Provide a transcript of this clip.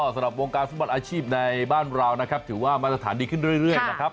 สำหรับวงการฟุตบอลอาชีพในบ้านเรานะครับถือว่ามาตรฐานดีขึ้นเรื่อยนะครับ